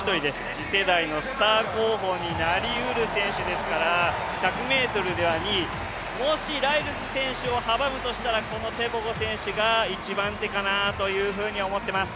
次世代のスター候補になりうる選手ですから、１００ｍでは２位、もしライルズ選手を阻むとしたらこのテボゴ選手が一番手かなと思ってます。